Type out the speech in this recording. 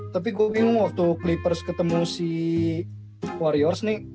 tapi gue bingung waktu cleapers ketemu si warriors nih